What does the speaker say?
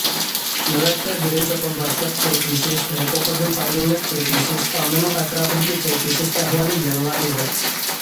نۆۋەتتە بىرىنچى قول باشلىق چىرىكلىشىش، ھوقۇقىدىن پايدىلىنىپ چىرىكلىشىش، ئاممىنىڭ ئەتراپىدىكى چىرىكلىشىش ئەھۋالى يەنىلا ئېغىر.